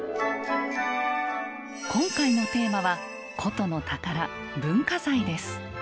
今回のテーマは古都の宝文化財です。